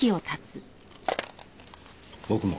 僕も。